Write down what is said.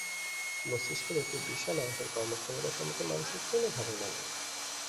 মস্তিষ্কের একটি বিশাল অংশের কর্মক্ষমতা সম্পর্কে মানুষের কোনো ধারণা নেই।